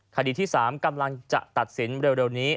คดีที่๓กำลังจะตัดสินเร็วนี้